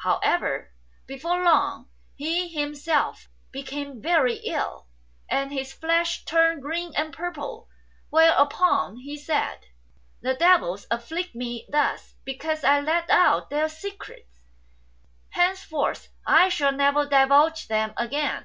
However, before lorg he himself became very ill, and his flesh turned green and purple; whereupon he said, "The devils affiict me thus because I let out their secrets. Hence forth I shall never divulge them again."